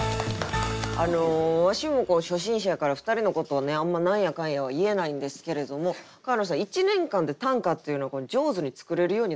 あのわしも初心者やから２人のことをねあんま何やかんやは言えないんですけれども川野さん１年間で短歌っていうのは上手に作れるようになるもんですか？